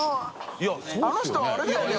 あの人あれだよね？